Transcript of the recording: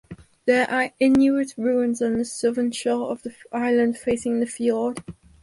There are Inuit ruins on the southern shore of the island facing the fjord.